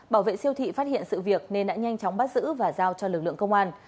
bảo vệ siêu thị phát hiện sự việc nên đã nhanh chóng bắt giữ và giao cho lực lượng công an